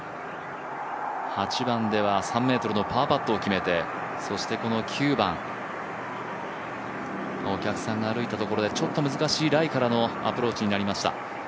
８番では３ｍのパーパットを決めて、そして９番お客さんが歩いたところでちょっと難しいライからのアプローチになりました。